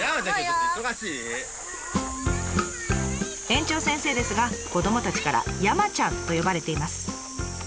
園長先生ですが子どもたちから「やまちゃん」と呼ばれています。